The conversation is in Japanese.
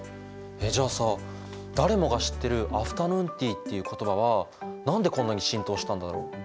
えっじゃあさ誰もが知ってるアフタヌーンティーっていう言葉は何でこんなに浸透したんだろう？